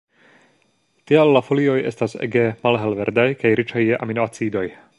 Tiel la folioj estas ege malhelverdaj kaj riĉaj je aminoacidoj.